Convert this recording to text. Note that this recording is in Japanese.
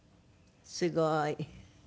すごーい。